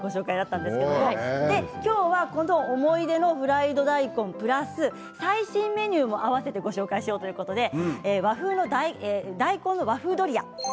今日は、この思い出のフライド大根プラス最新メニューも合わせてご紹介しようということで大根の和風ドリアです。